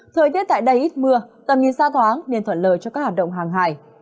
thời tiết tại đây ít mưa tầm nhìn xa thoáng nên thuận lời cho các hạt động hàng hải